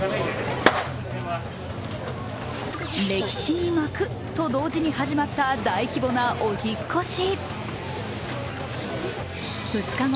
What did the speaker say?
歴史に幕、と同時に始まった大規模なお引っ越し。